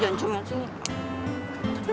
jangan cuma disini